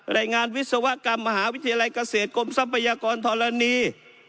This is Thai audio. รายงานวิศวกรรมมหาวิทยาลัยเกษตรกรมทรัพยากรธรณี